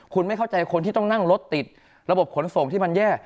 คุณไม่เข้าใจคนที่ต้องนั่งรถติดระบบขนส่งที่มันแย่